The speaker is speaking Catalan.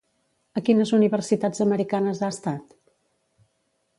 A quines universitats americanes ha estat?